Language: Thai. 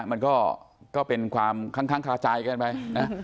มันก็เป็นความค้างคาใจกันไปนะ